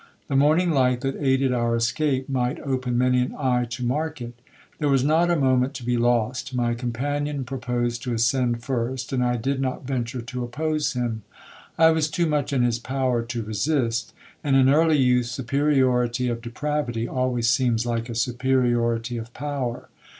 The morning light that aided our escape, might open many an eye to mark it. There was not a moment to be lost. My companion proposed to ascend first, and I did not venture to oppose him. I was too much in his power to resist; and in early youth superiority of depravity always seems like a superiority of power.